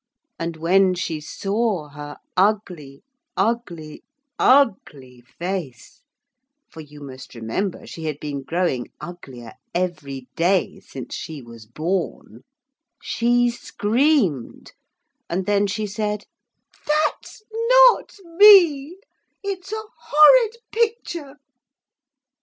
And when she saw her ugly, ugly, ugly face for you must remember she had been growing uglier every day since she was born she screamed and then she said: 'That's not me, it's a horrid picture.'